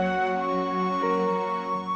semuanya pada saat yang sama